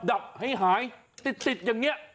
ดับให้หายติดอย่างนี้